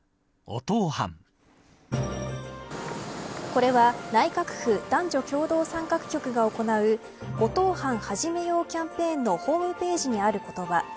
これは内閣府男女共同参画局が行うおとう飯始めようキャンペーンのホームページにある言葉。